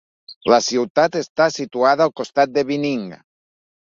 La ciutat està situada al costat de Vining.